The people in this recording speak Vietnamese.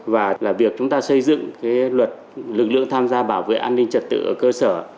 và việc chúng ta xây dựng cái luật lực lượng tham gia bảo vệ an ninh trật tự ở cơ sở